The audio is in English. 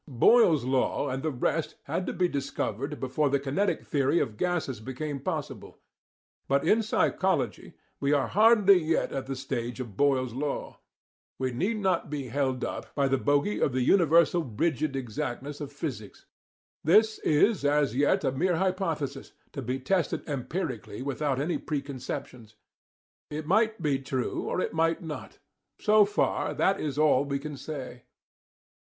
Boyle's law and the rest had to be discovered before the kinetic theory of gases became possible. But in psychology we are hardly yet at the stage of Boyle's law. Meanwhile we need not be held up by the bogey of the universal rigid exactness of physics. This is, as yet, a mere hypothesis, to be tested empirically without any preconceptions. It may be true, or it may not. So far, that is all we can say.